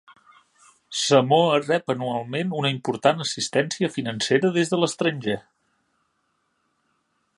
Samoa rep anualment una important assistència financera des de l'estranger.